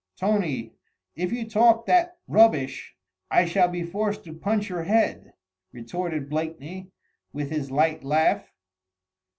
"Tony, if you talk that rubbish, I shall be forced to punch your head," retorted Blakeney with his light laugh.